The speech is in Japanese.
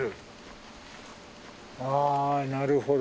あなるほど。